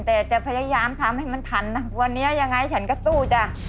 แต่จะพยายามทำให้มันทันนะวันนี้ยังไงฉันก็สู้จ้ะ